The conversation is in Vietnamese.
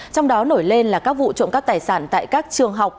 trong đó nổi lên là các vụ trộm cắp tài sản tại các trường học